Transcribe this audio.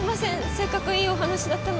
せっかくいいお話だったのに。